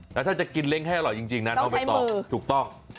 แล้วถ้าจะกินเล้งให้อร่อยจริงนะน้องใบตองถูกต้อง